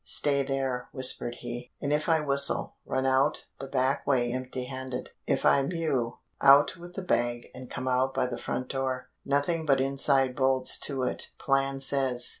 "Stay there," whispered he, "and if I whistle run out the back way empty handed. If I mew out with the bag and come out by the front door; nothing but inside bolts to it, plan says."